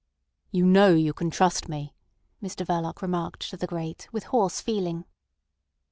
"You know you can trust me," Mr Verloc remarked to the grate, with hoarse feeling.